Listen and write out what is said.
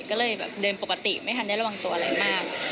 ก็เลยแบบเดินปกติไม่ทันได้ระวังตัวอะไรมาก